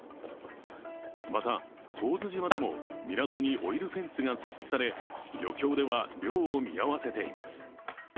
また、神津島でも港にオイルフェンスが設置され漁協では漁を見合わせています。